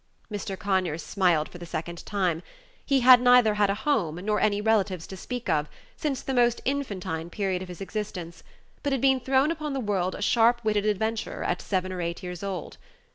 Mr. Conyers smiled for the second time. He had neither had a home nor any relatives to speak of since the most infantine period of his existence, but had been thrown upon the world a sharp witted adventurer at seven or eight years old.